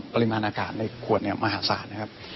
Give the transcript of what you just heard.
ปริมาณอากาศในขวดเนี่ยมหาศาลนะครับ